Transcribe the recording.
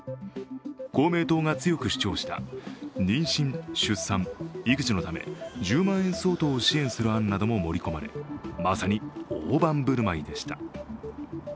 公明党が強く主張した妊娠、出産、育児のため、１０万円相当を支援する案なども盛り込まれまさに大盤振る舞いでした。